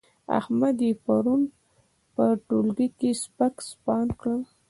احمد يې پرون په ټولګي کې سپک سپاند کړ.